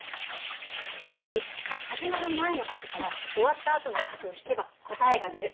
つまり始まる前の数から終わったあとの数を引けば答えが出る。